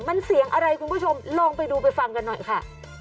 มันเสียงอะไรคุณผู้ชมลองไปดูไปฟังกันหน่อยค่ะ